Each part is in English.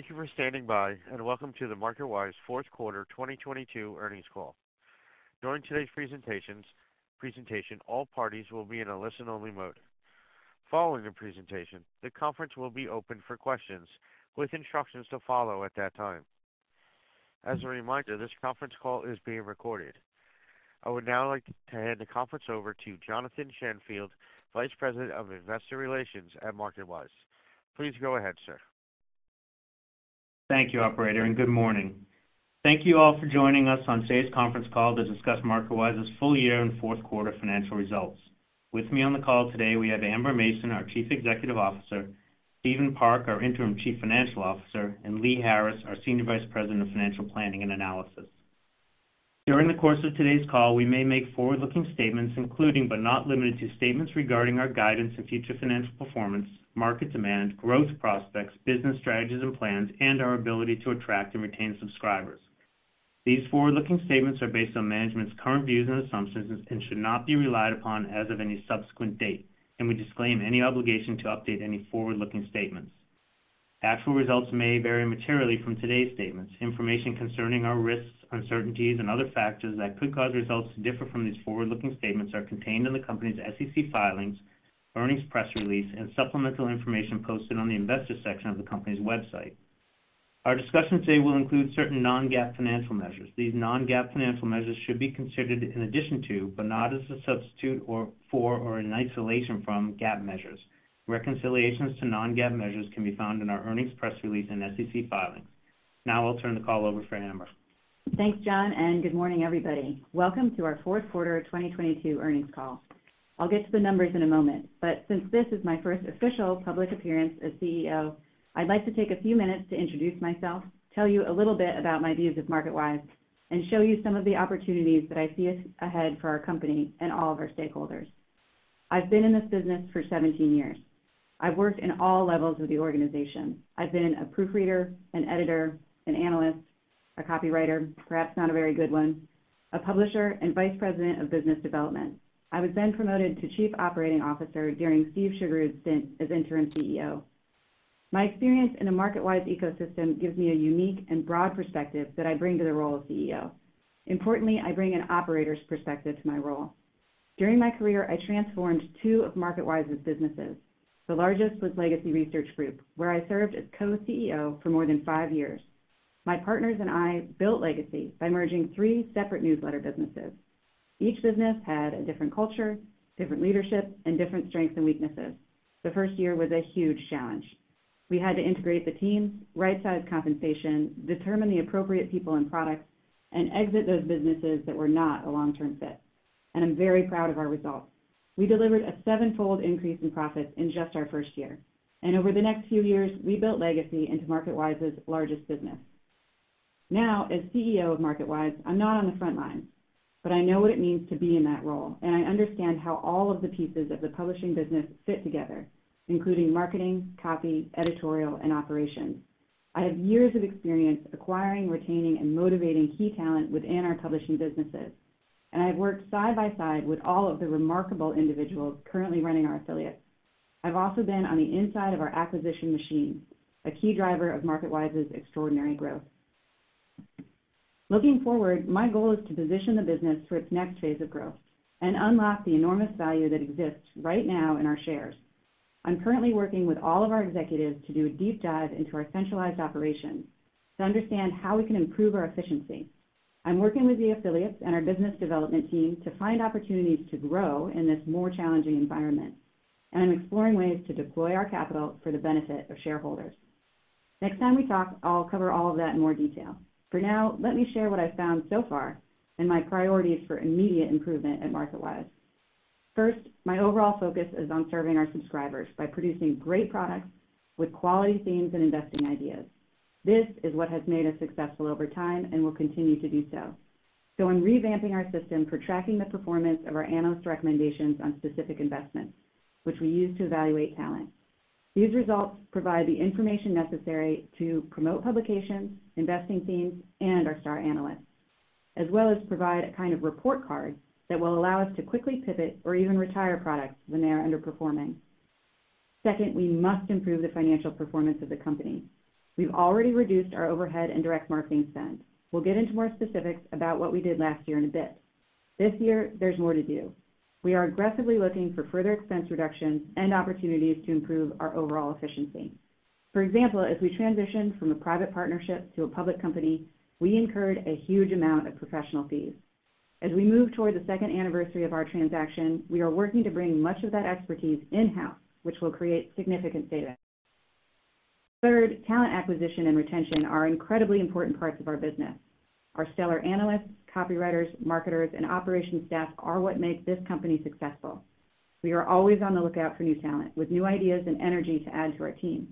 Thank you for standing by, and welcome to the MarketWise fourth quarter 2022 earnings call. During today's presentation, all parties will be in a listen-only mode. Following the presentation, the conference will be opened for questions with instructions to follow at that time. As a reminder, this conference call is being recorded. I would now like to hand the conference over to Jonathan Shanfield, Vice-President of Investor Relations at MarketWise. Please go ahead, sir. Thank you, operator. Good morning. Thank you all for joining us on today's conference call to discuss MarketWise's full year and fourth quarter financial results. With me on the call today, we have Amber Mason, our Chief Executive Officer, Stephen Park, our Interim Chief Financial Officer, and Lee Harris, our Senior Vice President of Financial Planning and Analysis. During the course of today's call, we may make forward-looking statements, including, but not limited to, statements regarding our guidance and future financial performance, market demand, growth prospects, business strategies and plans, and our ability to attract and retain subscribers. These forward-looking statements are based on management's current views and assumptions and should not be relied upon as of any subsequent date, and we disclaim any obligation to update any forward-looking statements. Actual results may vary materially from today's statements. Information concerning our risks, uncertainties, and other factors that could cause results to differ from these forward-looking statements are contained in the company's SEC filings, earnings press release, and supplemental information posted on the investor section of the company's website. Our discussion today will include certain non-GAAP financial measures. These non-GAAP financial measures should be considered in addition to, but not as a substitute for or in isolation from GAAP measures. Reconciliations to non-GAAP measures can be found in our earnings press release and SEC filings. I'll turn the call over for Amber. Thanks, Jon. Good morning, everybody. Welcome to our fourth quarter of 2022 earnings call. I'll get to the numbers in a moment, but since this is my first official public appearance as CEO, I'd like to take a few minutes to introduce myself, tell you a little bit about my views of MarketWise, and show you some of the opportunities that I see us ahead for our company and all of our stakeholders. I've been in this business for 17 years. I've worked in all levels of the organization. I've been a proofreader, an editor, an analyst, a copywriter, perhaps not a very good one, a publisher, and vice president of business development. I was promoted to Chief Operating Officer during Steve Sjuggerud stint as Interim CEO. My experience in the MarketWise ecosystem gives me a unique and broad perspective that I bring to the role of CEO. Importantly, I bring an operator's perspective to my role. During my career, I transformed two of MarketWise's businesses. The largest was Legacy Research Group, where I served as co-CEO for more than five years. My partners and I built Legacy by merging three separate newsletter businesses. Each business had a different culture, different leadership, and different strengths and weaknesses. The first year was a huge challenge. We had to integrate the teams, right-size compensation, determine the appropriate people and products, and exit those businesses that were not a long-term fit. I'm very proud of our results. We delivered a seven-fold increase in profits in just our first year. Over the next few years, we built Legacy into MarketWise's largest business. As CEO of MarketWise, I'm not on the front lines, but I know what it means to be in that role, and I understand how all of the pieces of the publishing business fit together, including marketing, copy, editorial, and operations. I have years of experience acquiring, retaining, and motivating key talent within our publishing businesses, and I have worked side by side with all of the remarkable individuals currently running our affiliates. I've also been on the inside of our acquisition machine, a key driver of MarketWise's extraordinary growth. Looking forward, my goal is to position the business for its next phase of growth and unlock the enormous value that exists right now in our shares. I'm currently working with all of our executives to do a deep dive into our centralized operations to understand how we can improve our efficiency. I'm working with the affiliates and our business development team to find opportunities to grow in this more challenging environment, and I'm exploring ways to deploy our capital for the benefit of shareholders. Next time we talk, I'll cover all of that in more detail. For now, let me share what I've found so far and my priorities for immediate improvement at MarketWise. First, my overall focus is on serving our subscribers by producing great products with quality themes and investing ideas. This is what has made us successful over time and will continue to do so. I'm revamping our system for tracking the performance of our analyst recommendations on specific investments, which we use to evaluate talent. These results provide the information necessary to promote publications, investing themes, and our star analysts, as well as provide a kind of report card that will allow us to quickly pivot or even retire products when they are underperforming. Second, we must improve the financial performance of the company. We've already reduced our overhead and direct marketing spend. We'll get into more specifics about what we did last year in a bit. This year, there's more to do. We are aggressively looking for further expense reductions and opportunities to improve our overall efficiency. For example, as we transitioned from a private partnership to a public company, we incurred a huge amount of professional fees. As we move toward the second anniversary of our transaction, we are working to bring much of that expertise in-house, which will create significant savings. Third, talent acquisition and retention are incredibly important parts of our business. Our stellar analysts, copywriters, marketers, and operations staff are what make this company successful. We are always on the lookout for new talent with new ideas and energy to add to our team.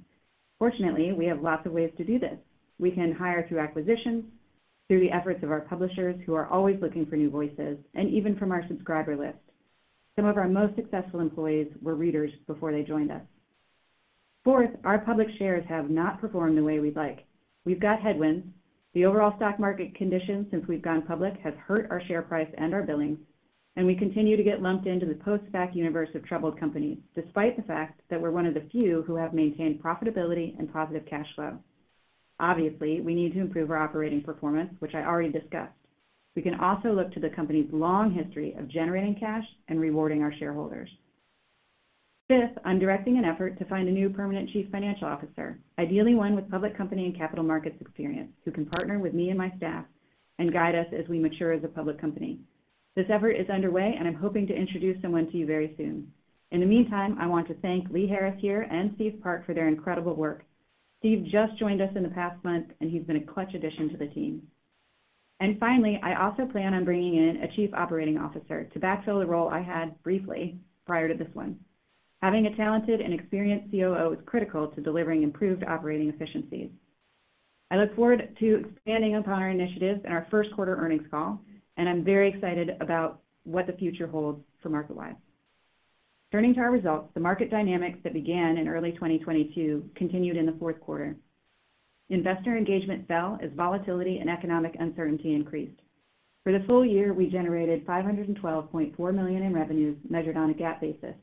Fortunately, we have lots of ways to do this. We can hire through acquisitions, through the efforts of our publishers who are always looking for new voices, and even from our subscriber list. Some of our most successful employees were readers before they joined us. Fourth, our public shares have not performed the way we'd like. We've got headwinds. The overall stock market conditions since we've gone public has hurt our share price and our billings. We continue to get lumped into the post-SPAC universe of troubled companies, despite the fact that we're one of the few who have maintained profitability and positive cash flow. Obviously, we need to improve our operating performance, which I already discussed. We can also look to the company's long history of generating cash and rewarding our shareholders. Fifth, I'm directing an effort to find a new permanent Chief Financial Officer, ideally one with public company and capital markets experience, who can partner with me and my staff and guide us as we mature as a public company. This effort is underway, and I'm hoping to introduce someone to you very soon. In the meantime, I want to thank Lee Harris here and Steve Park for their incredible work. Steve just joined us in the past month, and he's been a clutch addition to the team. Finally, I also plan on bringing in a Chief Operating Officer to backfill the role I had briefly prior to this one. Having a talented and experienced COO is critical to delivering improved operating efficiencies. I look forward to expanding upon our initiatives in our first quarter earnings call. I'm very excited about what the future holds for MarketWise. Turning to our results, the market dynamics that began in early 2022 continued in the fourth quarter. Investor engagement fell as volatility and economic uncertainty increased. For the full year, we generated $512.4 million in revenues measured on a GAAP basis,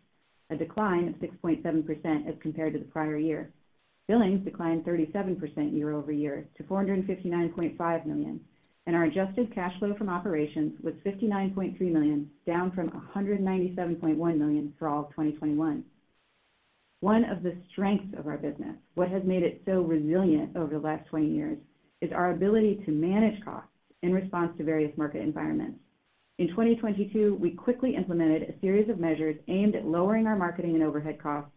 a decline of 6.7% as compared to the prior year. Billings declined 37% year-over-year to $459.5 million. Our Adjusted Cash Flow from Operations was $59.3 million, down from $197.1 million for all of 2021. One of the strengths of our business, what has made it so resilient over the last 20 years, is our ability to manage costs in response to various market environments. In 2022, we quickly implemented a series of measures aimed at lowering our marketing and overhead costs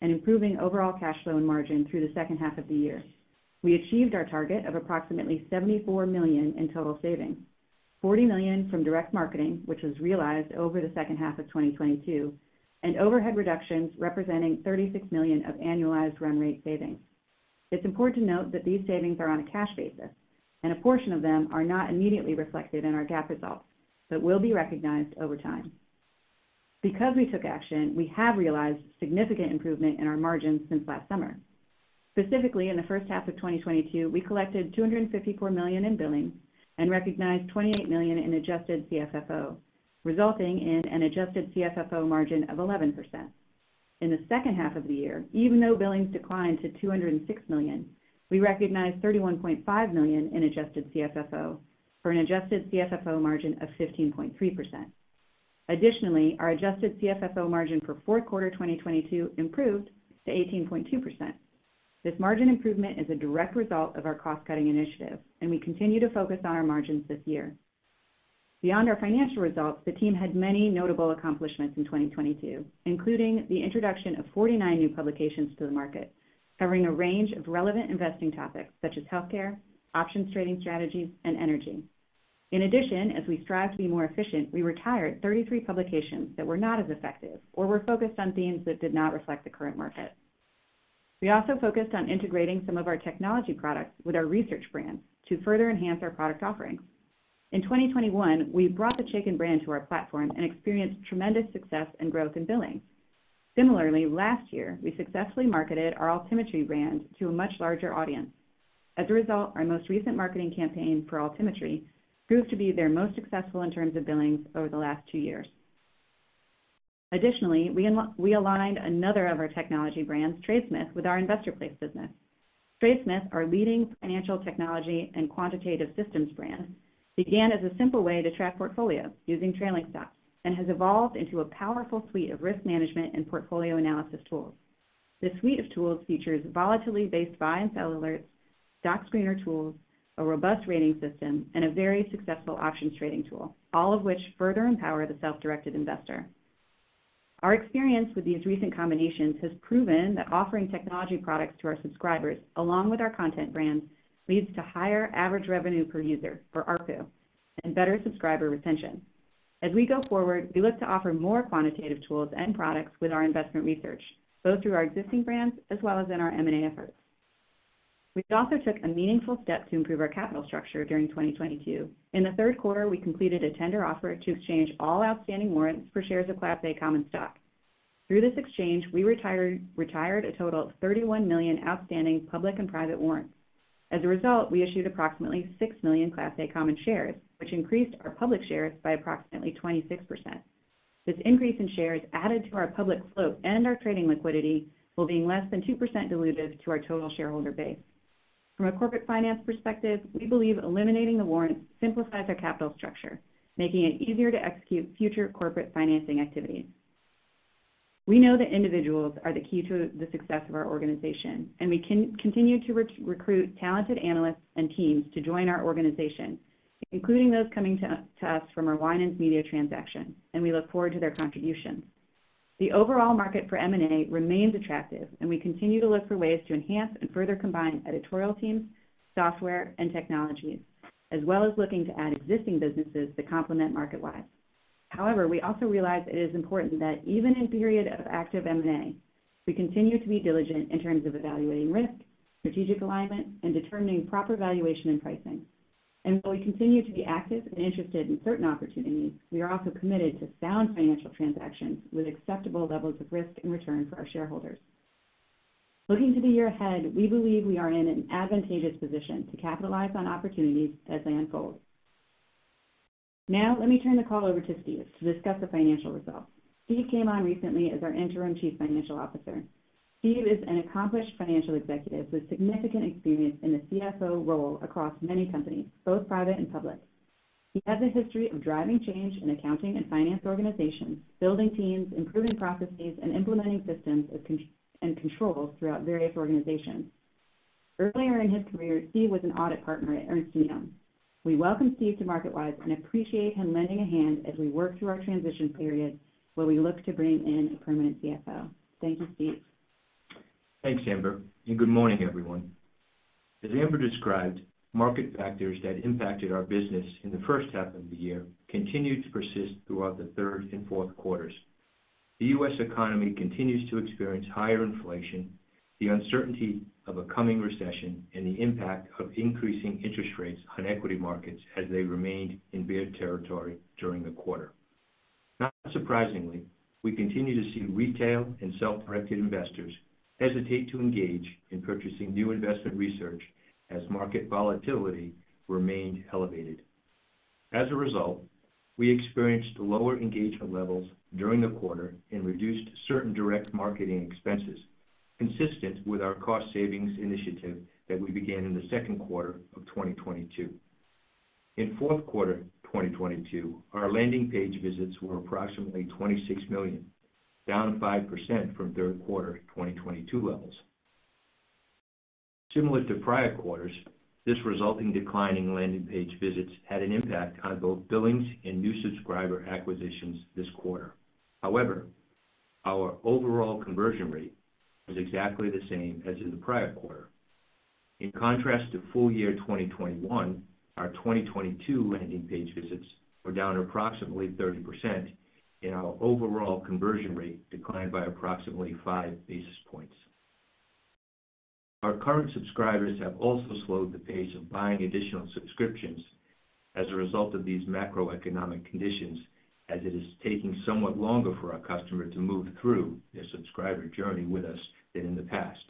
and improving overall cash flow and margin through the second half of the year. We achieved our target of approximately $74 million in total savings, $40 million from direct marketing, which was realized over the second half of 2022, and overhead reductions representing $36 million of annualized run rate savings. It's important to note that these savings are on a cash basis, and a portion of them are not immediately reflected in our GAAP results, but will be recognized over time. Because we took action, we have realized significant improvement in our margins since last summer. Specifically, in the first half of 2022, we collected $254 million in billings and recognized $28 million in Adjusted CFFO, resulting in an Adjusted CFFO margin of 11%. In the second half of the year, even though billings declined to $206 million, we recognized $31.5 million in Adjusted CFFO for an Adjusted CFFO margin of 15.3%. Additionally, our Adjusted CFFO margin for fourth quarter 2022 improved to 18.2%. This margin improvement is a direct result of our cost-cutting initiative, and we continue to focus on our margins this year. Beyond our financial results, the team had many notable accomplishments in 2022, including the introduction of 49 new publications to the market, covering a range of relevant investing topics such as healthcare, options trading strategies, and energy. As we strive to be more efficient, we retired 33 publications that were not as effective or were focused on themes that did not reflect the current market. We also focused on integrating some of our technology products with our research brands to further enhance our product offerings. In 2021, we brought the Chaikin brand to our platform and experienced tremendous success and growth in billings. Similarly, last year, we successfully marketed our Altimetry brand to a much larger audience. Our most recent marketing campaign for Altimetry proved to be their most successful in terms of billings over the last 2 years. We aligned another of our technology brands, TradeSmith, with our InvestorPlace business. TradeSmith, our leading financial technology and quantitative systems brand, began as a simple way to track portfolios using trailing stocks and has evolved into a powerful suite of risk management and portfolio analysis tools. This suite of tools features volatility-based buy and sell alerts, stock screener tools, a robust rating system, and a very successful options trading tool, all of which further empower the self-directed investor. Our experience with these recent combinations has proven that offering technology products to our subscribers, along with our content brands, leads to higher average revenue per user, or ARPU, and better subscriber retention. We look to offer more quantitative tools and products with our investment research, both through our existing brands as well as in our M&A efforts. We also took a meaningful step to improve our capital structure during 2022. In the third quarter, we completed a tender offer to exchange all outstanding warrants for shares of Class A common stock. Through this exchange, we retired a total of $31 million outstanding public and private warrants. We issued approximately $6 million Class A common shares, which increased our public shares by approximately 26%. This increase in shares added to our public float and our trading liquidity while being less than 2% dilutive to our total shareholder base. From a corporate finance perspective, we believe eliminating the warrants simplifies our capital structure, making it easier to execute future corporate financing activities. We know that individuals are the key to the success of our organization. We continue to recruit talented analysts and teams to join our organization, including those coming to us from our Winans Media transaction, and we look forward to their contributions. The overall market for M&A remains attractive. We continue to look for ways to enhance and further combine editorial teams, software, and technologies, as well as looking to add existing businesses that complement MarketWise. However, we also realize it is important that even in a period of active M&A, we continue to be diligent in terms of evaluating risk, strategic alignment, and determining proper valuation and pricing. While we continue to be active and interested in certain opportunities, we are also committed to sound financial transactions with acceptable levels of risk and return for our shareholders. Looking to the year ahead, we believe we are in an advantageous position to capitalize on opportunities as they unfold. Now let me turn the call over to Stephen Park to discuss the financial results. Stephen Park came on recently as our Interim Chief Financial Officer. Steve is an accomplished financial executive with significant experience in the CFO role across many companies, both private and public. He has a history of driving change in accounting and finance organizations, building teams, improving processes, and implementing systems of and controls throughout various organizations. Earlier in his career, Steve was an audit partner at Ernst & Young. We welcome Steve to MarketWise and appreciate him lending a hand as we work through our transition period where we look to bring in a permanent CFO. Thank you, Steve. Thanks, Amber, and good morning, everyone. As Amber described, market factors that impacted our business in the first half of the year continued to persist throughout the third and fourth quarters. The U.S. economy continues to experience higher inflation, the uncertainty of a coming recession, and the impact of increasing interest rates on equity markets as they remained in bear territory during the quarter. Not surprisingly, we continue to see retail and self-directed investors hesitate to engage in purchasing new investment research as market volatility remained elevated. As a result, we experienced lower engagement levels during the quarter and reduced certain direct marketing expenses, consistent with our cost savings initiative that we began in the second quarter of 2022. In fourth quarter of 2022, our landing page visits were approximately 26 million, down 5% from third quarter 2022 levels. Similar to prior quarters, this resulting decline in landing page visits had an impact on both billings and new subscriber acquisitions this quarter. Our overall conversion rate was exactly the same as in the prior quarter. In contrast to full year 2021, our 2022 landing page visits were down approximately 30% and our overall conversion rate declined by approximately 5 basis points. Our current subscribers have also slowed the pace of buying additional subscriptions as a result of these macroeconomic conditions, as it is taking somewhat longer for our customer to move through their subscriber journey with us than in the past.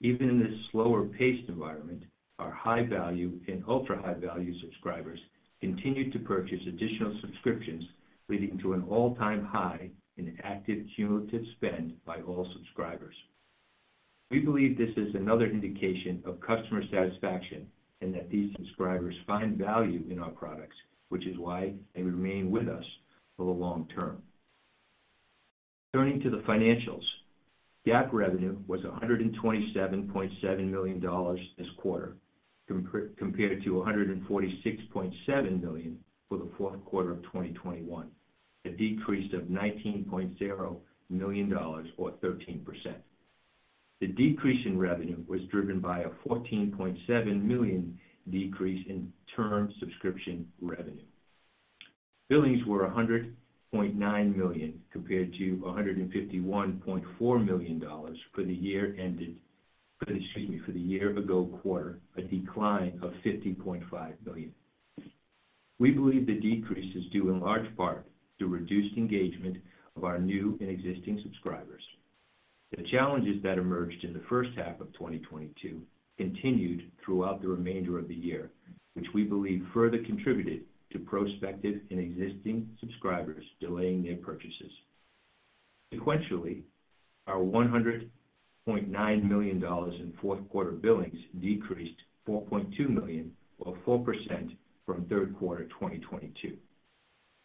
Even in this slower paced environment, our high value and ultra-high value subscribers continued to purchase additional subscriptions, leading to an all-time high in active cumulative spend by all subscribers. We believe this is another indication of customer satisfaction and that these subscribers find value in our products, which is why they remain with us for the long term. Turning to the financials. GAAP revenue was $127.7 million this quarter, compared to $146.7 million for the fourth quarter of 2021, a decrease of $19.0 million, or 13%. The decrease in revenue was driven by a $14.7 million decrease in term subscription revenue. Billings were $100.9 million compared to $151.4 million for the year ago quarter, a decline of $50.5 million. We believe the decrease is due in large part to reduced engagement of our new and existing subscribers. The challenges that emerged in the first half of 2022 continued throughout the remainder of the year, which we believe further contributed to prospective and existing subscribers delaying their purchases. Our $100.9 million in fourth quarter billings decreased $4.2 million or 4% from third quarter 2022.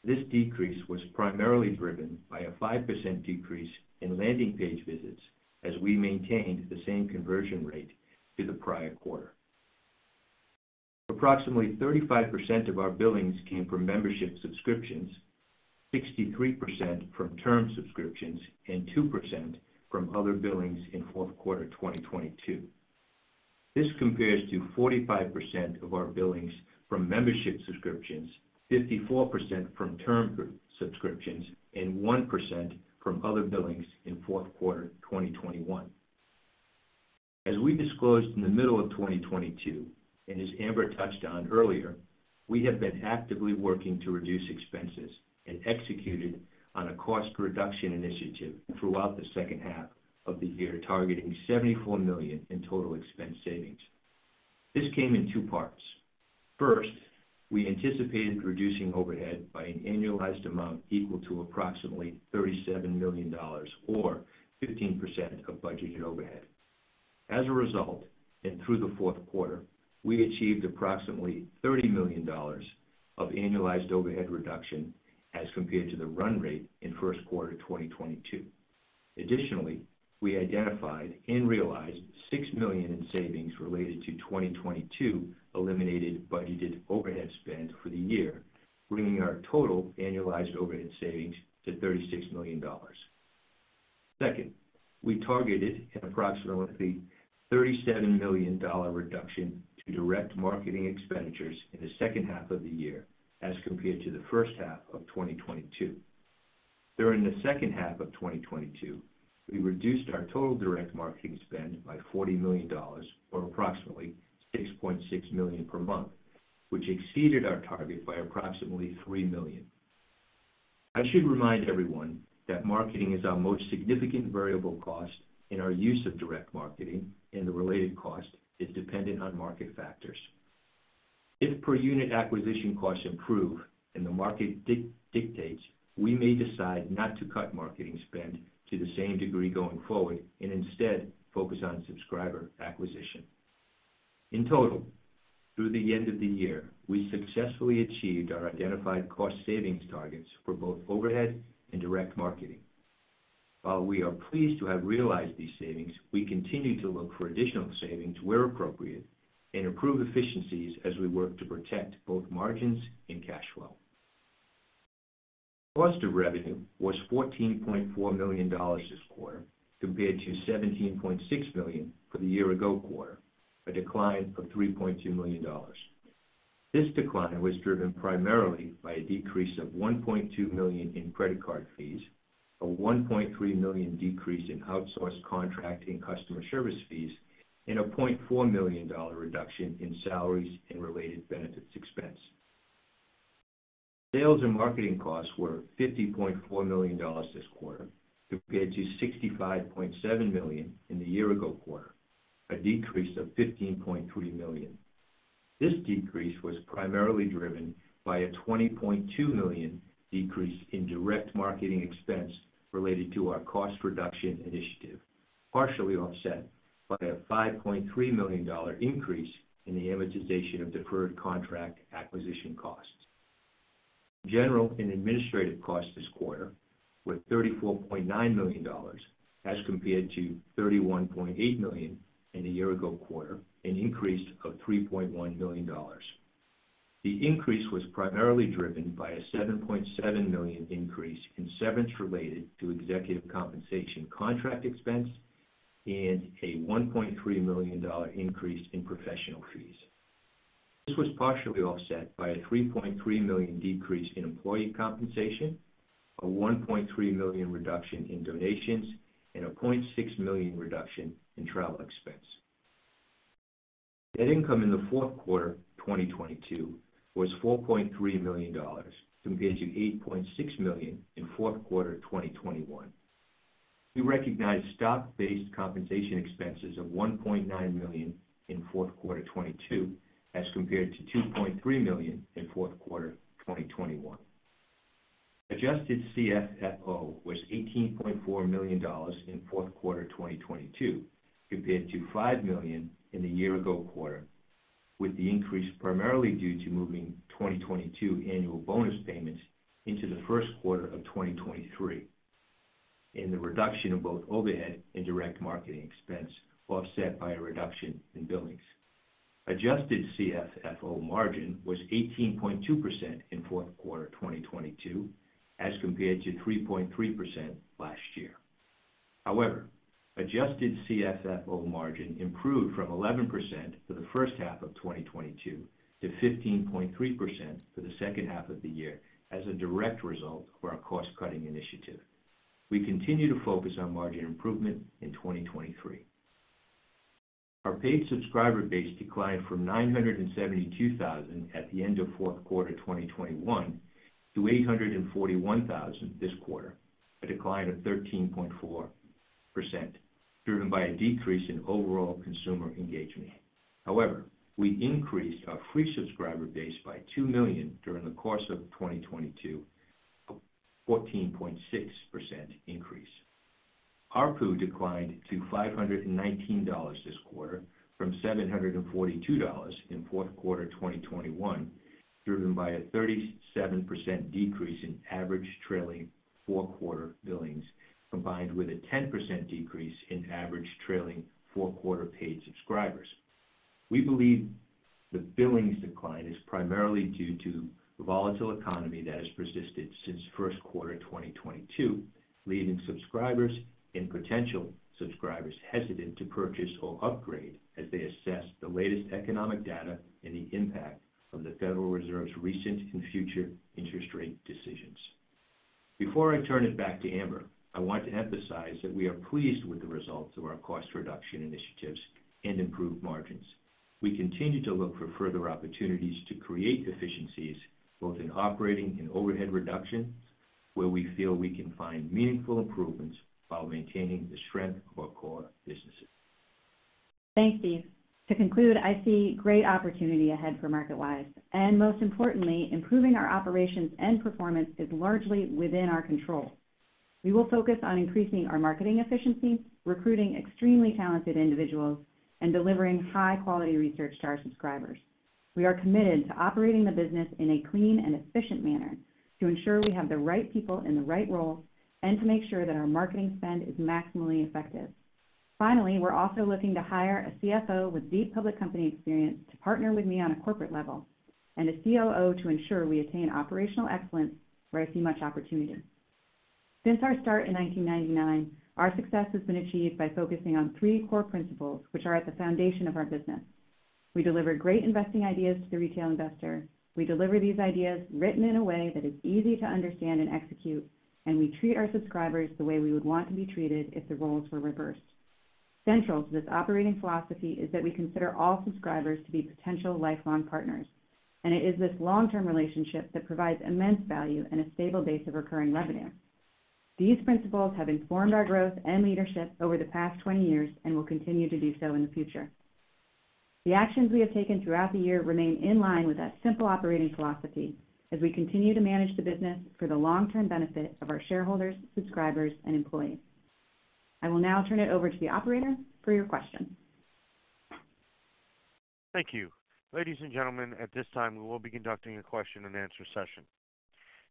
This decrease was primarily driven by a 5% decrease in landing page visits as we maintained the same conversion rate to the prior quarter. Approximately 35% of our billings came from membership subscriptions, 63% from term sub-subscriptions, and 2% from other billings in fourth quarter of 2022. This compares to 45% of our billings from membership subscriptions, 54% from term sub-subscriptions, and 1% from other billings in fourth quarter of 2021. As we disclosed in the middle of 2022, and as Amber touched on earlier, we have been actively working to reduce expenses and executed on a cost reduction initiative throughout the second half of the year, targeting $74 million in total expense savings. This came in two parts. First, we anticipated reducing overhead by an annualized amount equal to approximately $37 million or 15% of budgeted overhead. As a result, through the fourth quarter, we achieved approximately $30 million of annualized overhead reduction as compared to the run rate in first quarter of 2022. Additionally, we identified and realized $6 million in savings related to 2022 eliminated budgeted overhead spend for the year, bringing our total annualized overhead savings to $36 million. Second, we targeted an approximately $37 million reduction to direct marketing expenditures in the second half of the year as compared to the first half of 2022. During the second half of 2022, we reduced our total direct marketing spend by $40 million or approximately $6.6 million per month, which exceeded our target by approximately $3 million. I should remind everyone that marketing is our most significant variable cost in our use of direct marketing, and the related cost is dependent on market factors. If per unit acquisition costs improve and the market dictates, we may decide not to cut marketing spend to the same degree going forward and instead focus on subscriber acquisition. In total, through the end of the year, we successfully achieved our identified cost savings targets for both overhead and direct marketing. While we are pleased to have realized these savings, we continue to look for additional savings where appropriate and improve efficiencies as we work to protect both margins and cash flow. Cost of revenue was $14.4 million this quarter compared to $17.6 million for the year-ago quarter, a decline of $3.2 million. This decline was driven primarily by a decrease of $1.2 million in credit card fees, a $1.3 million decrease in outsourced contract and customer service fees, and a $0.4 million reduction in salaries and related benefits expense. Sales and marketing costs were $50.4 million this quarter compared to $65.7 million in the year-ago quarter, a decrease of $15.3 million. This decrease was primarily driven by a $20.2 million decrease in direct marketing expense related to our cost reduction initiative, partially offset by a $5.3 million increase in the amortization of deferred contract acquisition costs. General and administrative costs this quarter were $34.9 million as compared to $31.8 million in the year ago quarter, an increase of $3.1 million. The increase was primarily driven by a $7.7 million increase in severance related to executive compensation contract expense and a $1.3 million increase in professional fees. This was partially offset by a $3.3 million decrease in employee compensation, a $1.3 million reduction in donations, and a $0.6 million reduction in travel expense. Net income in the fourth quarter 2022 was $4.3 million compared to $8.6 million in fourth quarter 2021. We recognized stock-based compensation expenses of $1.9 million in fourth quarter 2022 as compared to $2.3 million in fourth quarter 2021. Adjusted CFFO was $18.4 million in fourth quarter 2022 compared to $5 million in the year ago quarter, with the increase primarily due to moving 2022 annual bonus payments into the first quarter of 2023, and the reduction of both overhead and direct marketing expense offset by a reduction in billings. Adjusted CFFO margin was 18.2% in fourth quarter 2022 as compared to 3.3% last year. Adjusted CFFO margin improved from 11% for the first half of 2022 to 15.3% for the second half of the year as a direct result of our cost-cutting initiative. We continue to focus on margin improvement in 2023. Our paid subscriber base declined from 972,000 at the end of fourth quarter 2021 to 841,000 this quarter, a decline of 13.4% driven by a decrease in overall consumer engagement. We increased our free subscriber base by 2 million during the course of 2022, a 14.6% increase. ARPU declined to $519 this quarter from $742 in fourth quarter 2021, driven by a 37% decrease in average trailing four quarter billings, combined with a 10% decrease in average trailing four quarter paid subscribers. We believe the billings decline is primarily due to the volatile economy that has persisted since first quarter 2022, leaving subscribers and potential subscribers hesitant to purchase or upgrade as they assess the latest economic data and the impact of the Federal Reserve's recent and future interest rate decisions. Before I turn it back to Amber, I want to emphasize that we are pleased with the results of our cost reduction initiatives and improved margins. We continue to look for further opportunities to create efficiencies both in operating and overhead reduction, where we feel we can find meaningful improvements while maintaining the strength of our core businesses. Thanks, Steve. To conclude, I see great opportunity ahead for MarketWise, and most importantly, improving our operations and performance is largely within our control. We will focus on increasing our marketing efficiency, recruiting extremely talented individuals, and delivering high-quality research to our subscribers. We are committed to operating the business in a clean and efficient manner to ensure we have the right people in the right roles and to make sure that our marketing spend is maximally effective. Finally, we're also looking to hire a CFO with deep public company experience to partner with me on a corporate level and a COO to ensure we attain operational excellence where I see much opportunity. Since our start in 1999, our success has been achieved by focusing on three core principles which are at the foundation of our business. We deliver great investing ideas to the retail investor, we deliver these ideas written in a way that is easy to understand and execute, and we treat our subscribers the way we would want to be treated if the roles were reversed. Central to this operating philosophy is that we consider all subscribers to be potential lifelong partners. It is this long-term relationship that provides immense value and a stable base of recurring revenue. These principles have informed our growth and leadership over the past 20 years and will continue to do so in the future. The actions we have taken throughout the year remain in line with that simple operating philosophy as we continue to manage the business for the long-term benefit of our shareholders, subscribers, and employees. I will now turn it over to the operator for your questions. Thank you. Ladies and gentlemen, at this time, we will be conducting a question-and-answer session.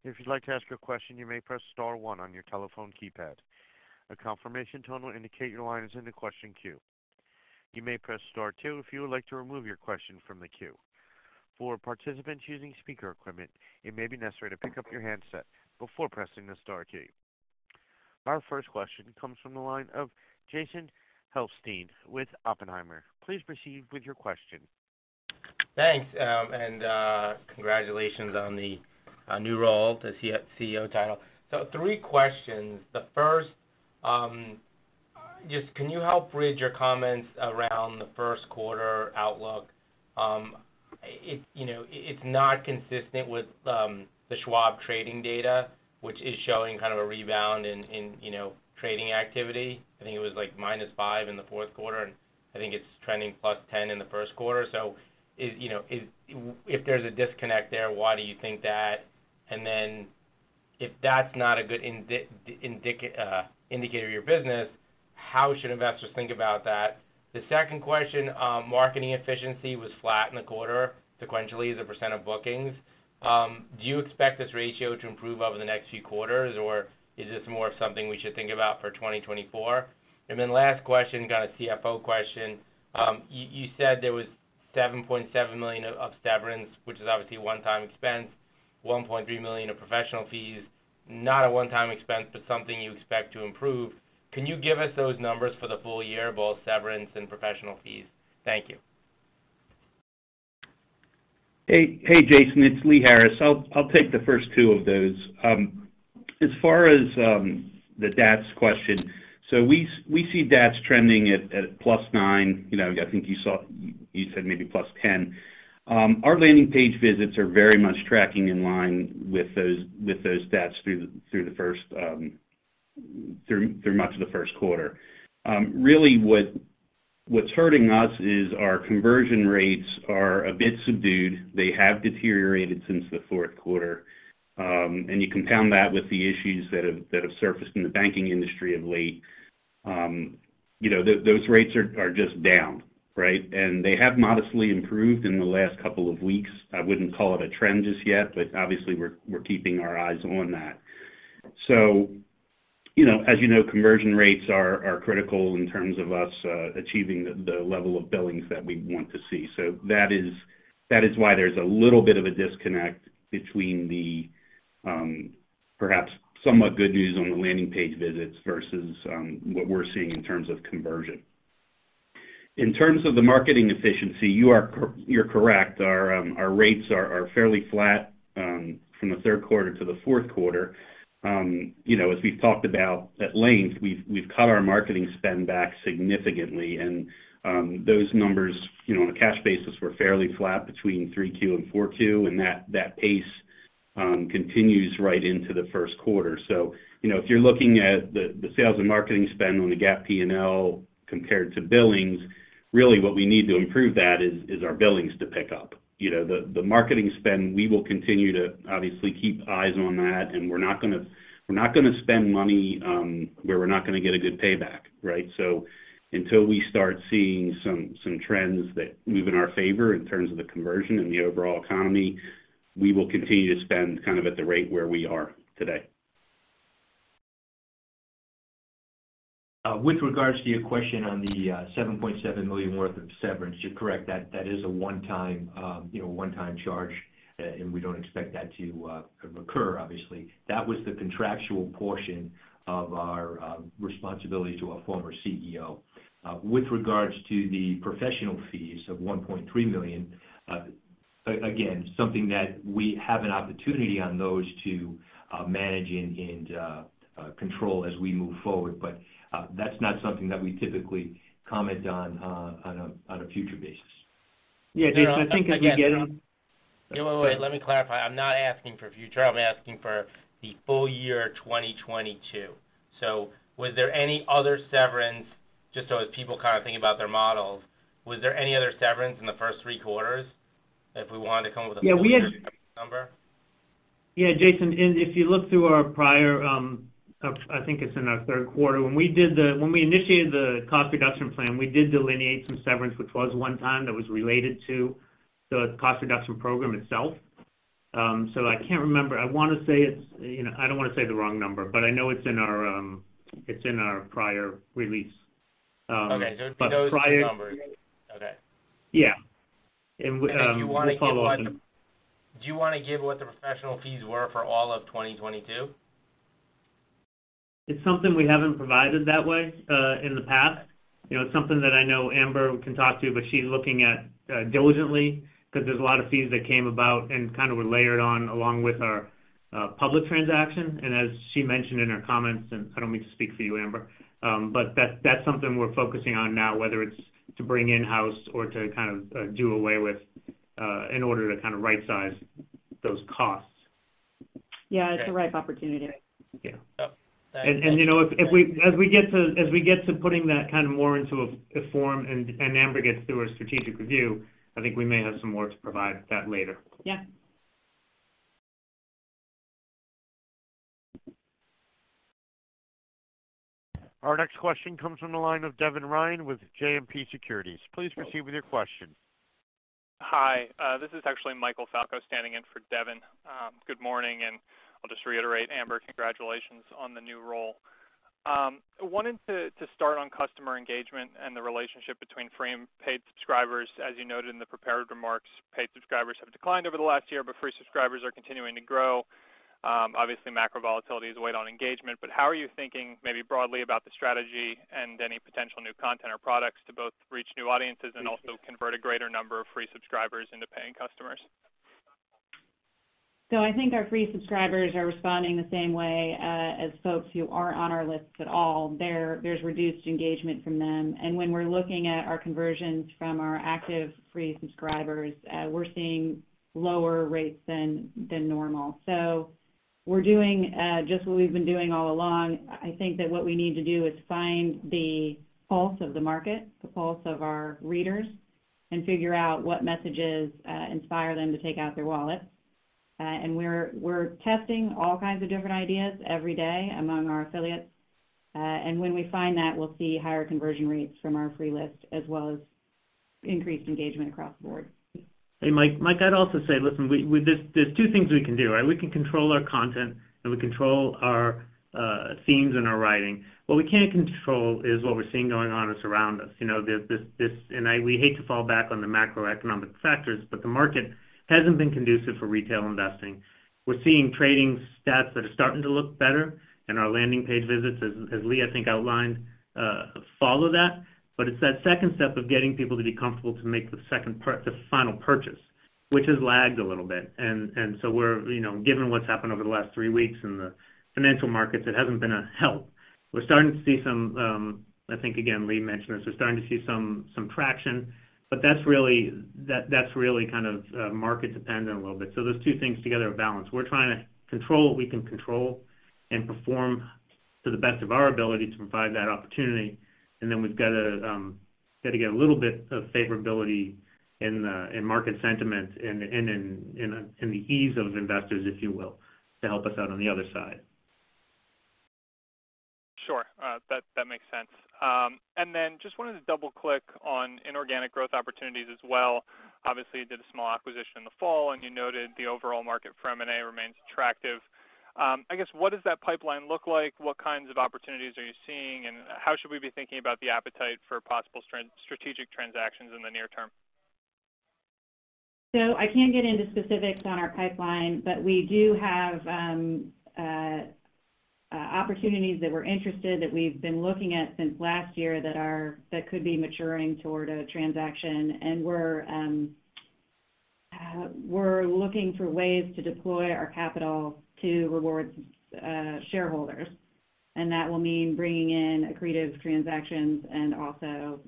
If you'd like to ask your question, you may press star one on your telephone keypad. A confirmation tone will indicate your line is in the question queue. You may press star two if you would like to remove your question from the queue. For participants using speaker equipment, it may be necessary to pick up your handset before pressing the star key. Our first question comes from the line of Jason Helfstein with Oppenheimer. Please proceed with your question. Thanks. Congratulations on the new role, the CEO title. Three questions. The first, just can you help bridge your comments around the first quarter outlook? It, you know, it's not consistent with the Schwab trading data, which is showing kind of a rebound in, you know, trading activity. I think it was like -5% in the fourth quarter, and I think it's trending +10% in the first quarter. If, you know, if there's a disconnect there, why do you think that? And then if that's not a good indicator of your business, how should investors think about that? The second question, marketing efficiency was flat in the quarter sequentially as a % of bookings. Do you expect this ratio to improve over the next few quarters, or is this more of something we should think about for 2024? Last question, kind of CFO question. You said there was $7.7 million of severance, which is obviously one-time expense, $1.3 million of professional fees, not a one-time expense, but something you expect to improve. Can you give us those numbers for the full year, both severance and professional fees? Thank you. Hey, hey, Jason. It's Lee Harris. I'll take the first two of those. As far as the DATS question, we see DATS trending at +9. You know, I think you said maybe +10. Our landing page visits are very much tracking in line with those stats through the first, through much of the first quarter. Really what's hurting us is our conversion rates are a bit subdued. They have deteriorated since the fourth quarter. You compound that with the issues that have surfaced in the banking industry of late, you know, those rates are just down, right? They have modestly improved in the last couple of weeks. I wouldn't call it a trend just yet, but obviously we're keeping our eyes on that. You know, as you know, conversion rates are critical in terms of us achieving the level of billings that we want to see. That is why there's a little bit of a disconnect between the perhaps somewhat good news on the landing page visits versus what we're seeing in terms of conversion. In terms of the marketing efficiency, you are correct. Our rates are fairly flat from the third quarter to the fourth quarter. You know, as we've talked about at length, we've cut our marketing spend back significantly, and those numbers, you know, on a cash basis were fairly flat between Q3 and Q4, and that pace continues right into the first quarter. You know, if you're looking at the sales and marketing spend on the GAAP P&L compared to billings, really what we need to improve that is our billings to pick up. You know, the marketing spend, we will continue to obviously keep eyes on that, and we're not gonna spend money where we're not gonna get a good payback, right? Until we start seeing some trends that move in our favor in terms of the conversion and the overall economy, we will continue to spend kind of at the rate where we are today. With regards to your question on the $7.7 million worth of severance, you're correct. That is a one-time, you know, one-time charge, and we don't expect that to recur, obviously. That was the contractual portion of our responsibility to our former CEO. With regards to the professional fees of $1.3 million, again, something that we have an opportunity on those to manage and control as we move forward. That's not something that we typically comment on a future basis. Yeah, Jason, I think as we Wait, let me clarify. I'm not asking for future. I'm asking for the full year 2022. Was there any other severance, just so as people kind of think about their models, was there any other severance in the first three quarters if we wanted to come up with a full year number? Yeah, Jason. If you look through our prior, I think it's in our third quarter, when we did when we initiated the cost reduction plan, we did delineate some severance, which was one-time, that was related to the cost reduction program itself. I can't remember. I wanna say it's. You know I don't wanna say the wrong number, I know it's in our, it's in our prior release. Okay. Those are the numbers. Okay. Yeah. Do you wanna give... We'll follow up. Do you wanna give what the professional fees were for all of 2022? It's something we haven't provided that way in the past. You know, it's something that I know Amber can talk to, but she's looking at diligently because there's a lot of fees that came about and kind of were layered on along with our public transaction. As she mentioned in her comments, and I don't mean to speak for you, Amber, but that's something we're focusing on now, whether it's to bring in-house or to kind of do away with in order to kind of right-size those costs. Yeah. It's the right opportunity. Yeah. You know, as we get to putting that kind of more into a form and Amber gets through her strategic review, I think we may have some more to provide that later. Yeah. Our next question comes from the line of Devin Ryan with JMP Securities. Please proceed with your question. Hi, this is actually Michael Falco standing in for Devin. Good morning. I'll just reiterate, Amber, congratulations on the new role. Wanted to start on customer engagement and the relationship between frame paid subscribers. As you noted in the prepared remarks, paid subscribers have declined over the last year. Free subscribers are continuing to grow. Obviously, macro volatility is a weight on engagement. How are you thinking maybe broadly about the strategy and any potential new content or products to both reach new audiences and also convert a greater number of free subscribers into paying customers? I think our free subscribers are responding the same way, as folks who aren't on our lists at all. There's reduced engagement from them. When we're looking at our conversions from our active free subscribers, we're seeing lower rates than normal. We're doing just what we've been doing all along. I think that what we need to do is find the pulse of the market, the pulse of our readers, and figure out what messages inspire them to take out their wallet. We're testing all kinds of different ideas every day among our affiliates. When we find that, we'll see higher conversion rates from our free list as well as increased engagement across the board. Hey, Mike. I'd also say, listen, there's two things we can do, right? We can control our content, and we control our themes and our writing. What we can't control is what we're seeing going on that's around us. You know, we hate to fall back on the macroeconomic factors, but the market hasn't been conducive for retail investing. We're seeing trading stats that are starting to look better and our landing page visits as Lee, I think, outlined, follow that. But it's that second step of getting people to be comfortable to make the second the final purchase, which has lagged a little bit. We're, you know, given what's happened over the last three weeks in the financial markets, it hasn't been a help. We're starting to see some, I think, again, Lee mentioned this. We're starting to see some traction, but that's really, that's really kind of market dependent a little bit. Those two things together are balanced. We're trying to control what we can control and perform to the best of our ability to provide that opportunity. Then we've got to get a little bit of favorability in market sentiment and in the ease of investors, if you will, to help us out on the other side. Sure. That, that makes sense. Then just wanted to double-click on inorganic growth opportunities as well. Obviously, you did a small acquisition in the fall, and you noted the overall market for M&A remains attractive. I guess, what does that pipeline look like? What kinds of opportunities are you seeing, and how should we be thinking about the appetite for possible strategic transactions in the near term? I can't get into specifics on our pipeline, but we do have opportunities that we're interested, that we've been looking at since last year that could be maturing toward a transaction. We're looking for ways to deploy our capital to reward shareholders. That will mean bringing in accretive transactions and also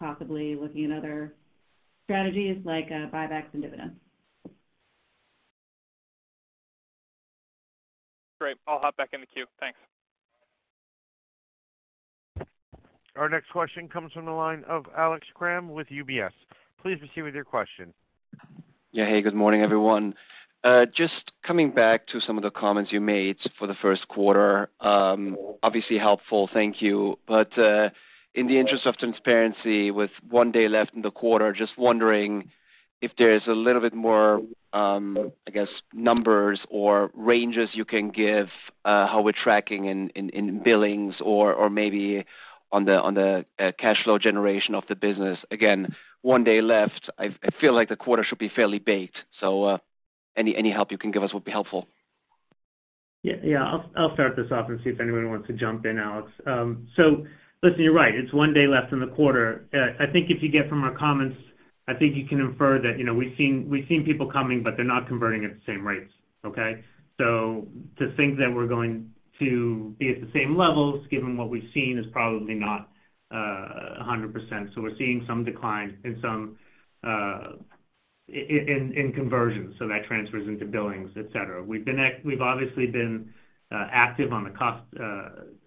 possibly looking at other strategies like buybacks and dividends. Great. I'll hop back in the queue. Thanks. Our next question comes from the line of Alex Kramm with UBS. Please proceed with your question. Yeah. Hey, good morning, everyone. just coming back to some of the comments you made for the first quarter, obviously helpful. Thank you. In the interest of transparency, with one day left in the quarter, just wondering if there's a little bit more, I guess, numbers or ranges you can give, how we're tracking in billings or maybe on the cash flow generation of the business. Again, one day left, I feel like the quarter should be fairly baked. Any help you can give us will be helpful. Yeah. Yeah. I'll start this off and see if anyone wants to jump in, Alex. Listen, you're right. It's 1 day left in the quarter. I think if you get from our comments, I think you can infer that, you know, we've seen people coming, but they're not converting at the same rates, okay? To think that we're going to be at the same levels, given what we've seen, is probably not 100%. We're seeing some decline in some in conversions. That transfers into billings, et cetera. We've obviously been active on the cost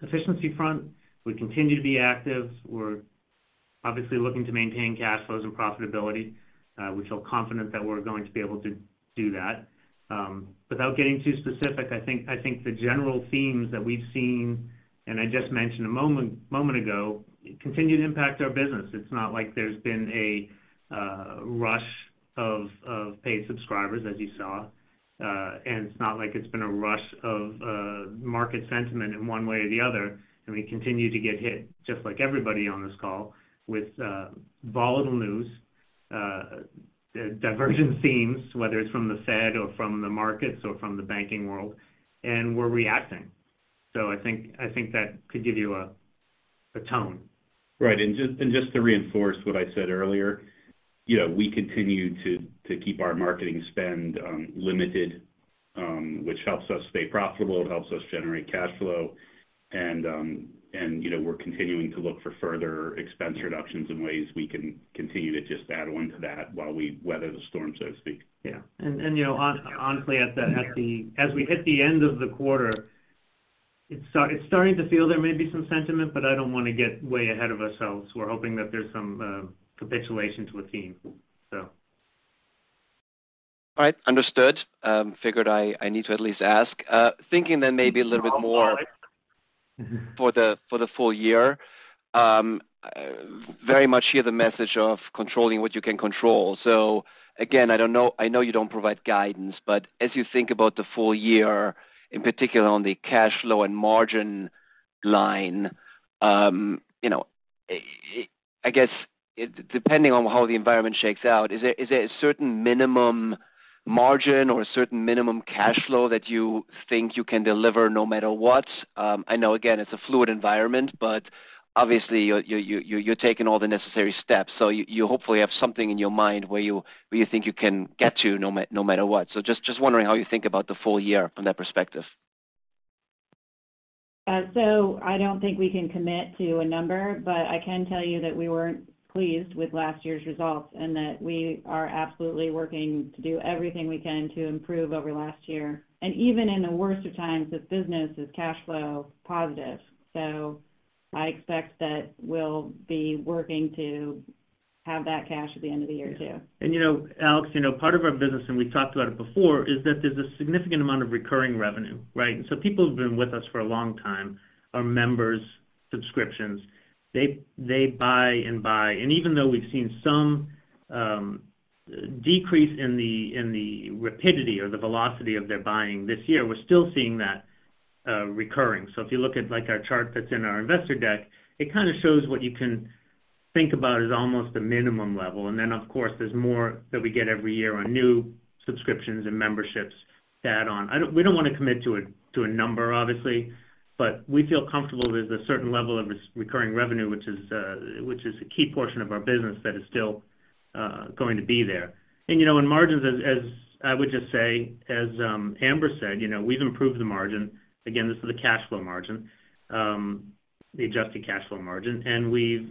efficiency front. We continue to be active. We're obviously looking to maintain cash flows and profitability. We feel confident that we're going to be able to do that. Without getting too specific, I think the general themes that we've seen, and I just mentioned a moment ago, continue to impact our business. It's not like there's been a rush of paid subscribers as you saw. It's not like it's been a rush of market sentiment in one way or the other. We continue to get hit, just like everybody on this call, with volatile news. The divergent themes, whether it's from the Fed or from the markets or from the banking world, and we're reacting. I think that could give you a tone. Right. Just to reinforce what I said earlier, you know, we continue to keep our marketing spend limited, which helps us stay profitable, it helps us generate cash flow. You know, we're continuing to look for further expense reductions and ways we can continue to just add on to that while we weather the storm, so to speak. Yeah. You know, honestly, as we hit the end of the quarter, it's starting to feel there may be some sentiment, but I don't wanna get way ahead of ourselves. We're hoping that there's some capitulation to a theme. Understood. Figured I need to at least ask. Thinking maybe a little bit more for the full year, very much hear the message of controlling what you can control. Again, I know you don't provide guidance, but as you think about the full year, in particular on the cash flow and margin line, you know, I guess depending on how the environment shakes out, is there a certain minimum margin or a certain minimum cash flow that you think you can deliver no matter what? I know again, it's a fluid environment, but obviously you're, you're taking all the necessary steps. You, you hopefully have something in your mind where you, where you think you can get to no matter what. Just wondering how you think about the full year from that perspective. I don't think we can commit to a number, but I can tell you that we weren't pleased with last year's results, and that we are absolutely working to do everything we can to improve over last year. Even in the worst of times, this business is cash flow positive. I expect that we'll be working to have that cash at the end of the year too. You know, Alex, you know, part of our business, and we've talked about it before, is that there's a significant amount of recurring revenue, right? People who've been with us for a long time are members subscriptions. They buy and buy. Even though we've seen some decrease in the rapidity or the velocity of their buying this year, we're still seeing that recurring. If you look at like our chart that's in our investor deck, it kinda shows what you can think about as almost a minimum level. Then, of course, there's more that we get every year on new subscriptions and memberships add on. We don't wanna commit to a number obviously, but we feel comfortable there's a certain level of this recurring revenue, which is a key portion of our business that is still going to be there. You know, in margins, as I would just say, as Amber said, you know, we've improved the margin. Again, this is the cash flow margin, the adjusted cash flow margin. We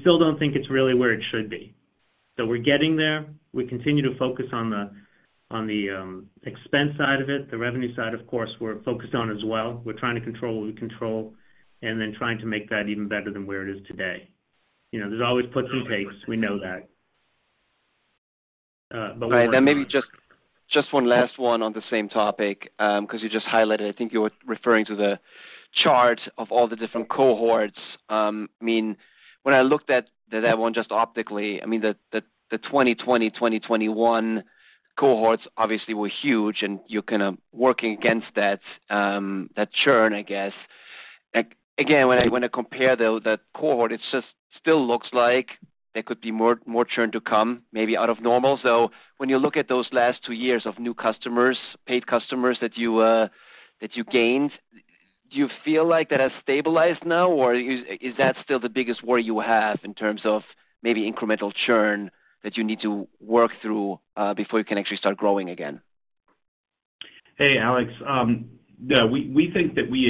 still don't think it's really where it should be. We're getting there. We continue to focus on the expense side of it. The revenue side, of course, we're focused on as well. We're trying to control what we control and then trying to make that even better than where it is today. You know, there's always puts and takes. We know that. We're working on it. Right. Maybe just one last one on the same topic, ’cause you just highlighted, I think you were referring to the chart of all the different cohorts. I mean, when I looked at that one just optically, I mean, the 2020, 2021 cohorts obviously were huge and you're kinda working against that churn, I guess. Again, when I compare though that cohort, it just still looks like there could be more churn to come, maybe out of normal. When you look at those last two years of new customers, paid customers that you gained, do you feel like that has stabilized now, or is that still the biggest worry you have in terms of maybe incremental churn that you need to work through before you can actually start growing again? Hey, Alex. No, we think that we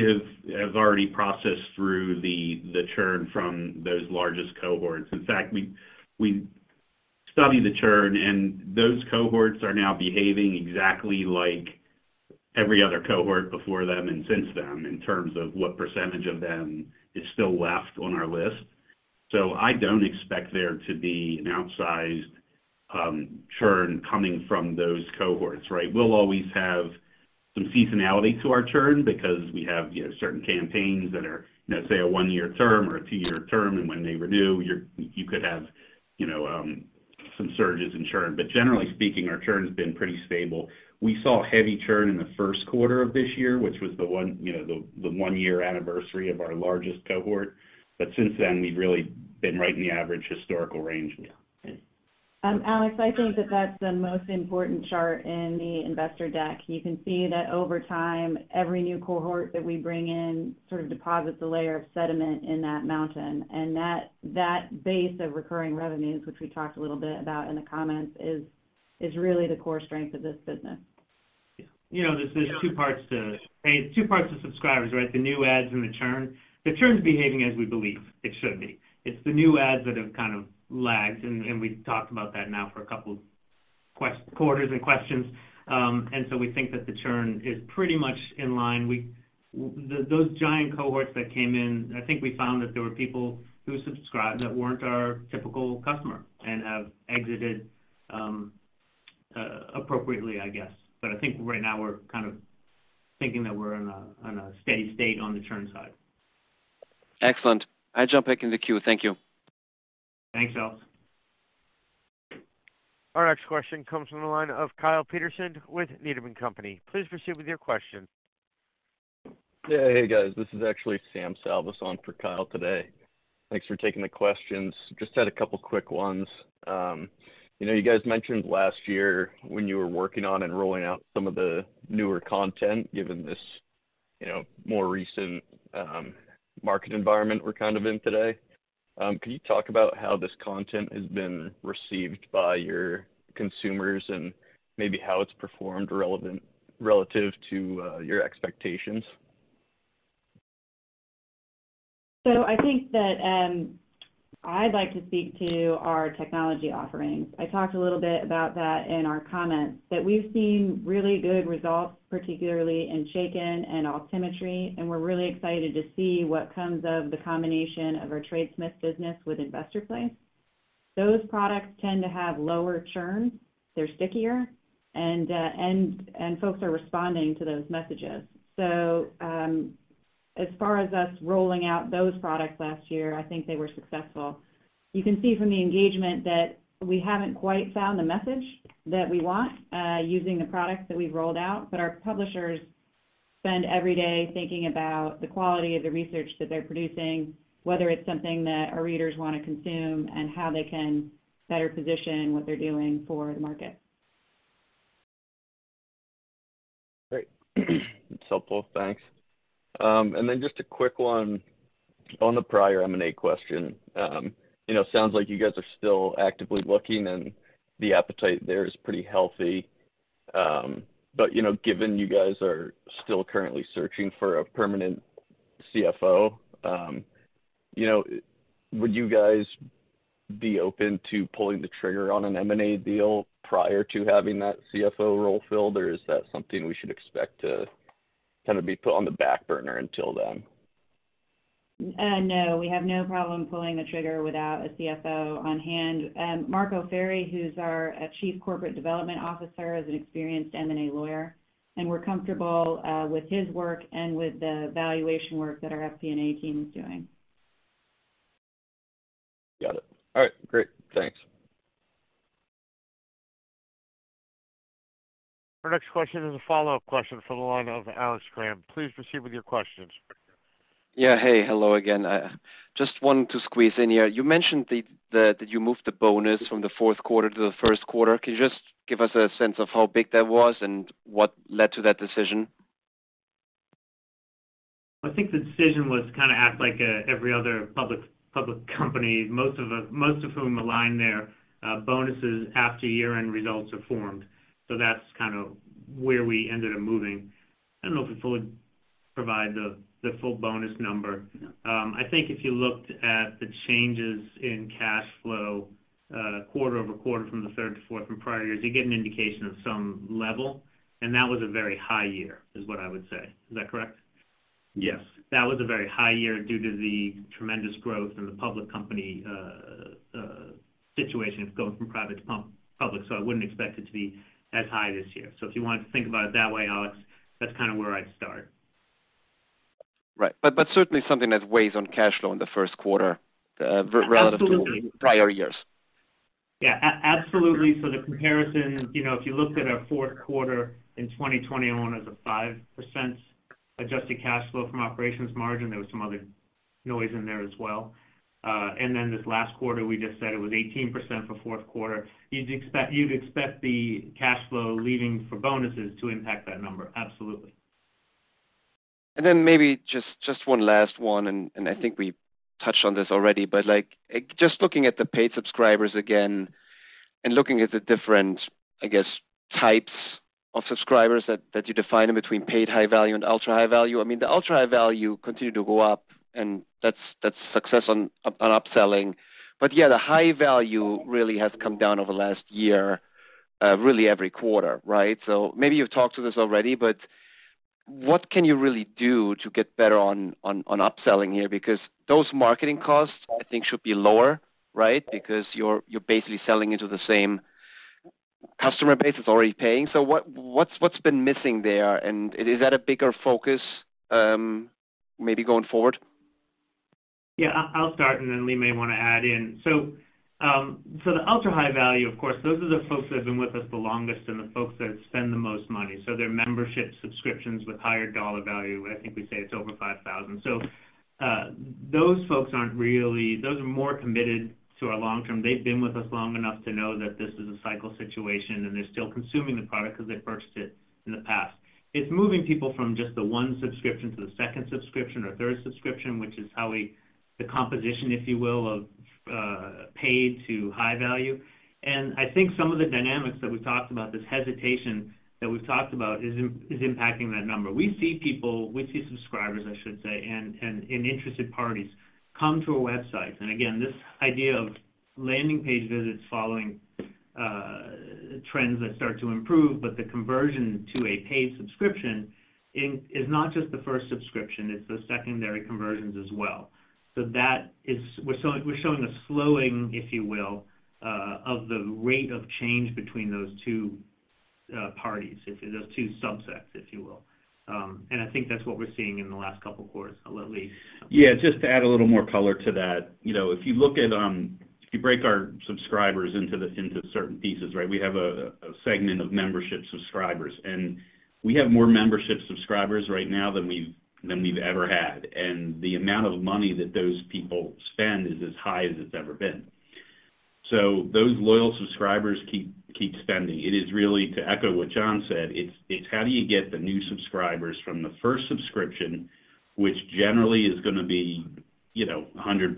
have already processed through the churn from those largest cohorts. In fact, we study the churn and those cohorts are now behaving exactly like every other cohort before them and since them in terms of what percentage of them is still left on our list. I don't expect there to be an outsized churn coming from those cohorts, right? We'll always have some seasonality to our churn because we have, you know, certain campaigns that are, you know, say, a 1-year term or a 2-year term, and when they renew, you could have, you know, some surges in churn. Generally speaking, our churn's been pretty stable. We saw heavy churn in the 1st quarter of this year, which was the one, you know, 1-year anniversary of our largest cohort. Since then, we've really been right in the average historical range. Yeah. Alex, I think that that's the most important chart in the investor deck. You can see that over time, every new cohort that we bring in sort of deposits a layer of sediment in that mountain. That base of recurring revenues, which we talked a little bit about in the comments, is really the core strength of this business. You know, there's 2 parts to subscribers, right? The new adds and the churn. The churn's behaving as we believe it should be. It's the new adds that have kind of lagged, and we've talked about that now for a couple quarters and questions. We think that the churn is pretty much in line. Those giant cohorts that came in, I think we found that there were people who subscribed that weren't our typical customer and have exited appropriately, I guess. I think right now we're kind of thinking that we're in a steady state on the churn side. Excellent. I jump back in the queue. Thank you. Thanks, Alex. Our next question comes from the line of Kyle Peterson with Needham & Company. Please proceed with your question. Yeah. Hey, guys, this is actually Sam Salvas on for Kyle today. Thanks for taking the questions. Just had a couple quick ones. You know, you guys mentioned last year when you were working on and rolling out some of the newer content given this, you know, more recent market environment we're kind of in today. Can you talk about how this content has been received by your consumers and maybe how it's performed relative to your expectations? I think that, I'd like to speak to our technology offerings. I talked a little bit about that in our comments, that we've seen really good results, particularly in Chaikin and Altimetry, and we're really excited to see what comes of the combination of our TradeSmith business with InvestorPlace. Those products tend to have lower churn, they're stickier, and folks are responding to those messages. As far as us rolling out those products last year, I think they were successful. You can see from the engagement that we haven't quite found the message that we want, using the products that we've rolled out, but our publishers spend every day thinking about the quality of the research that they're producing, whether it's something that our readers wanna consume and how they can better position what they're doing for the market. Great. That's helpful. Thanks. Just a quick one on the prior M&A question. You know, it sounds like you guys are still actively looking, and the appetite there is pretty healthy. You know, given you guys are still currently searching for a permanent CFO, you know, would you guys be open to pulling the trigger on an M&A deal prior to having that CFO role filled, or is that something we should expect to kinda be put on the back burner until then? No. We have no problem pulling the trigger without a CFO on hand. Marco Ferri, who's our Chief Corporate Development Officer, is an experienced M&A lawyer, and we're comfortable with his work and with the valuation work that our FP&A team is doing. Got it. All right, great. Thanks. Our next question is a follow-up question from the line of Alex Kramm. Please proceed with your questions. Yeah. Hey. Hello again. Just wanted to squeeze in here. You mentioned that you moved the bonus from the fourth quarter to the first quarter. Can you just give us a sense of how big that was and what led to that decision? I think the decision was kinda act like every other public company, most of whom align their bonuses after year-end results are formed. That's kind of where we ended up moving. I don't know if it would provide the full bonus number. I think if you looked at the changes in cash flow, quarter-over-quarter from the third to fourth from prior years, you get an indication of some level, and that was a very high year, is what I would say. Is that correct? Yes. That was a very high year due to the tremendous growth in the public company, situation of going from private to public. I wouldn't expect it to be as high this year. If you want to think about it that way, Alex, that's kinda where I'd start. Right. Certainly something that weighs on cash flow in the first quarter. Absolutely to prior years. Absolutely. The comparison, you know, if you looked at our fourth quarter in 2021 as a 5% adjusted cash flow from operations margin, there was some other noise in there as well. Then this last quarter, we just said it was 18% for fourth quarter. You'd expect the cash flow leaving for bonuses to impact that number. Absolutely. Maybe just 1 last one, and I think we touched on this already. Like, just looking at the paid subscribers again and looking at the different, I guess, types of subscribers that you define in between paid high value and ultra-high value. I mean, the ultra-high value continued to go up, and that's success on upselling. Yeah, the high value really has come down over the last year, really every quarter, right? Maybe you've talked to this already, but what can you really do to get better on upselling here? Because those marketing costs, I think, should be lower, right? Because you're basically selling into the same customer base that's already paying. What's been missing there? Is that a bigger focus, maybe going forward? I'll start, and then Lee may wanna add in. The ultra-high value, of course, those are the folks that have been with us the longest and the folks that spend the most money, their membership subscriptions with higher dollar value, I think we say it's over $5,000. Those folks aren't really. Those are more committed to our long term. They've been with us long enough to know that this is a cycle situation, and they're still consuming the product because they purchased it in the past. It's moving people from just the one subscription to the second subscription or third subscription, which is how we. The composition, if you will, of paid to high value. I think some of the dynamics that we talked about, this hesitation that we've talked about is impacting that number. We see people, we see subscribers, I should say, and interested parties come to our websites. Again, this idea of landing page visits following trends that start to improve, but the conversion to a paid subscription is not just the first subscription, it's the secondary conversions as well. That is. We're showing a slowing, if you will, of the rate of change between those two parties, those two subsets, if you will. I think that's what we're seeing in the last couple of quarters, at least. Yeah. Just to add a little more color to that. You know, if you look at, if you break our subscribers into certain pieces, right? We have a segment of membership subscribers. We have more membership subscribers right now than we've ever had. The amount of money that those people spend is as high as it's ever been. Those loyal subscribers keep spending. It is really, to echo what John said, it's how do you get the new subscribers from the first subscription, which generally is gonna be, you know, $100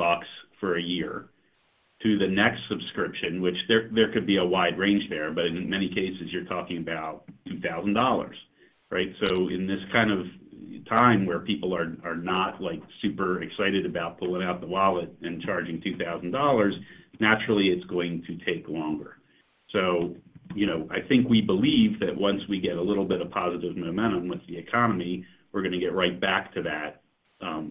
for a year, to the next subscription, which there could be a wide range there, but in many cases, you're talking about $2,000, right? In this kind of time where people are not, like, super excited about pulling out the wallet and charging $2,000, naturally it's going to take longer. You know, I think we believe that once we get a little bit of positive momentum with the economy, we're gonna get right back to that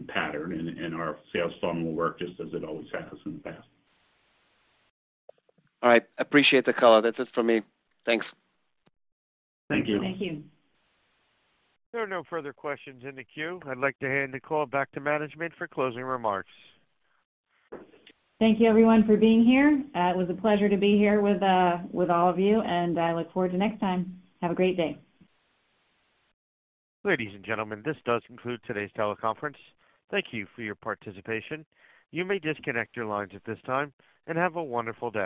pattern and our sales funnel will work just as it always has in the past. All right. Appreciate the color. That's it for me. Thanks. Thank you. Thank you. There are no further questions in the queue. I'd like to hand the call back to management for closing remarks. Thank you everyone for being here. It was a pleasure to be here with all of you, and I look forward to next time. Have a great day. Ladies and gentlemen, this does conclude today's teleconference. Thank you for your participation. You may disconnect your lines at this time, and have a wonderful day.